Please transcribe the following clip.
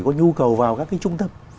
có nhu cầu vào các cái trung tâm